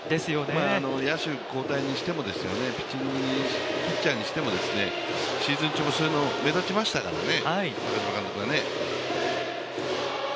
野手交代にしても、ピッチャーにしてもですねシーズン中もそういうのが目立ちましたからね。